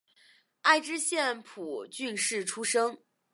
爱知县蒲郡市出身。